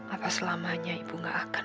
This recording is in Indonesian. atau selamanya ibu gak akan